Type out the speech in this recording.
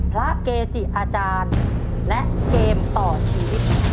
พระเกจิอาจารย์และเกมต่อชีวิต